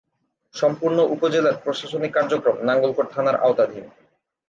সম্পূর্ণ উপজেলার প্রশাসনিক কার্যক্রম নাঙ্গলকোট থানার আওতাধীন।